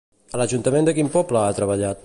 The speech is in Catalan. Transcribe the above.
A l'Ajuntament de quin poble ha treballat?